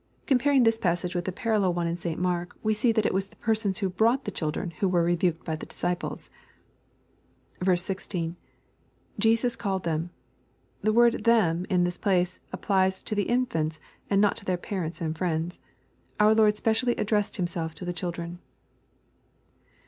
] Comparing this passage with the parallel one in St. Mark, we see that it was the persons who brought the children who were rebuked by the disciples. 16 — [Jems called ihem.] The word " them" in this place applies to the infants, and not to their parents and friends. Our Lord specially addressed Himself to the children.